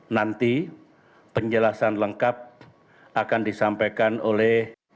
nanti penjelasan lengkap akan disampaikan oleh